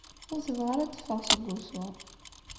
Ur tebɣi ara ad d-teffeɣ seg wusu.